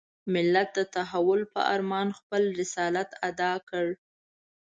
ملت د تحول په ارمان خپل رسالت اداء کړ.